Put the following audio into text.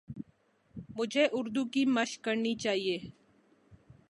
مجھے اردو کی مَشق کرنی چاہیے